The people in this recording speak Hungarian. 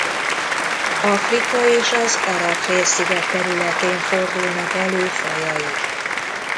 Afrika és az Arab-félsziget területén fordulnak elő fajai.